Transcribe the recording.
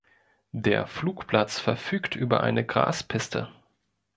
Der Flugplatz verfügt über eine Graspiste.